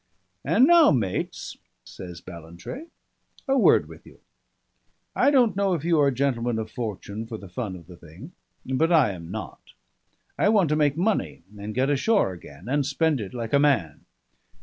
"And now, mates," says Ballantrae, "a word with you. I don't know if you are gentlemen of fortune for the fun of the thing, but I am not. I want to make money, and get ashore again, and spend it like a man.